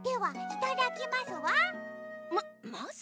いただきます。